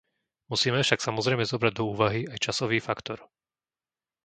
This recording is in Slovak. Musíme však samozrejme zobrať do úvahy aj časový faktor.